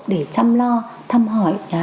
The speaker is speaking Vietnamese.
để chăm lo thăm hỏi